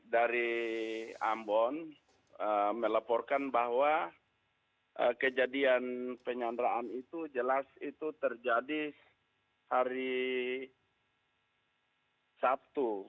dari ambon melaporkan bahwa kejadian penyanderaan itu jelas itu terjadi hari sabtu